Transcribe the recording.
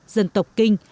dân tộc kinh